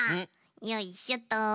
よいしょと。